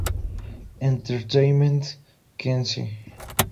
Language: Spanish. Entertainment Kenzie.